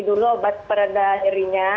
dulu obat pereda nyerinya